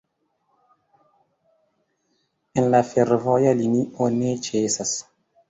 En la fervoja linio ne ĉesas.